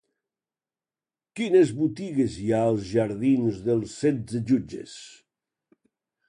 Quines botigues hi ha als jardins d'Els Setze Jutges?